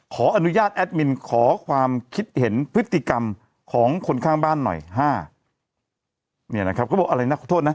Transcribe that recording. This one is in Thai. ขออนุญาตแอดมินขอความคิดเห็นพฤติกรรมของคนข้างบ้านหน่อย๕